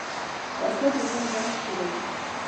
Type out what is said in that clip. وسله د ژوند رنګ توروې